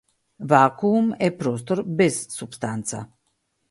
Вакуум е простор без супстанца.